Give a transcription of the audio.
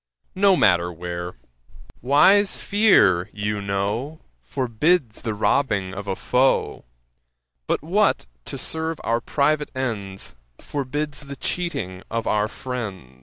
No matter where; wise fear, you know, Forbids the robbing of a foe; But what, to serve our private ends, Forbids the cheating of our friends?'